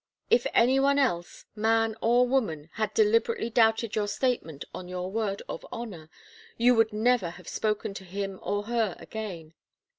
If any one else, man or woman, had deliberately doubted your statement on your word of honour, you would never have spoken to him or her again.